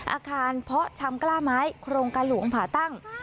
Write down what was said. อาคารเพาะชำกล้าไม้โครงการหลวงผ่าตั้ง